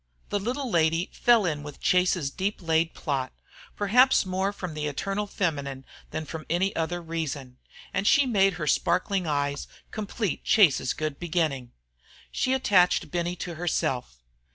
The little lady fell in with Chase's deep laid plot, perhaps more from the eternal feminine than from any other reason, and she made her sparkling eyes complete Chase's good beginning. She attached Benny to herself.